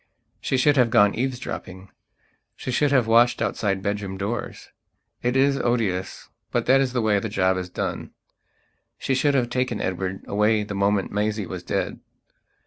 She should have gone eavesdropping; she should have watched outside bedroom doors. It is odious; but that is the way the job is done. She should have taken Edward away the moment Maisie was dead.